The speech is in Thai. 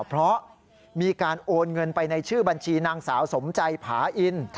เพราะมีการโอนเงินไปในชื่อบัญชีนางสาวสมใจผาอิน